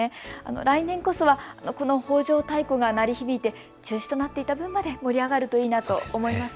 来年こそはこの北條太鼓が鳴り響いて中止となっていた分まで盛り上がるといいなと思います。